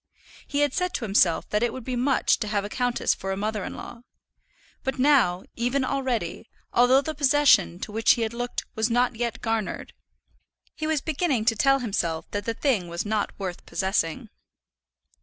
He had said to himself that it would be much to have a countess for a mother in law; but now, even already, although the possession to which he had looked was not yet garnered, he was beginning to tell himself that the thing was not worth possessing.